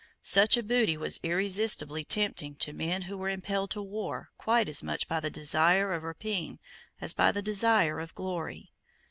Such a booty was irresistibly tempting to men who were impelled to war quite as much by the desire of rapine as by the desire of glory.